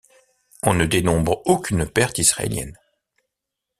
On ne dénombre aucune perte israélienne.